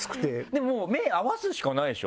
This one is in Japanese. でも目合わすしかないでしょ？